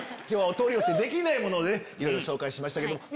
今日はお取り寄せできないものをいろいろ紹介しましたけど。